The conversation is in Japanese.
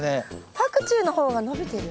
パクチーの方が伸びてる？